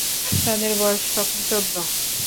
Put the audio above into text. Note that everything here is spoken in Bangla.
তাদের বয়স তখন চৌদ্দ।